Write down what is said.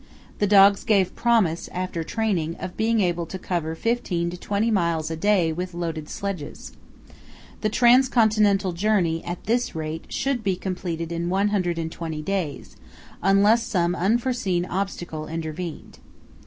The dogs gave promise, after training, of being able to cover fifteen to twenty miles a day with loaded sledges. The trans continental journey, at this rate, should be completed in 120 days unless some unforeseen obstacle intervened.